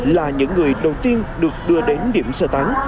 là những người đầu tiên được đưa đến điểm sơ tán